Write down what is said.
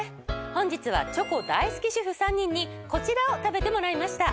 本日はチョコ大好き主婦３人にこちらを食べてもらいました。